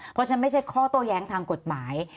เพราะฉะนั้นไม่ใช่ข้อโต้แย้งทางกฎหมาย